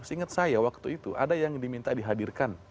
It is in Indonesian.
seingat saya waktu itu ada yang diminta dihadirkan